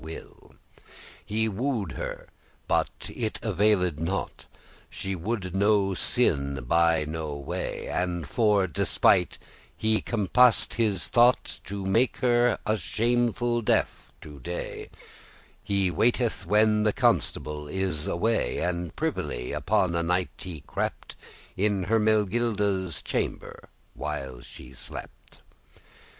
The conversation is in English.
*unless He wooed her, but it availed nought; She woulde do no sinne by no way: And for despite, he compassed his thought To make her a shameful death to dey;* *die He waiteth when the Constable is away, And privily upon a night he crept In Hermegilda's chamber while she slept.